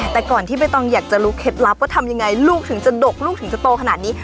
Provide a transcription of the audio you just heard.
แต่ก่อนที่ใบตองอยากจะรู้เคล็ดลับว่าทำยังไงลูกถึงจะดกลูกถึงจะโตขนาดนี้